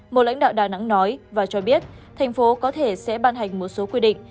một lãnh đạo đà nẵng nói và cho biết thành phố có thể sẽ ban hành một số quy định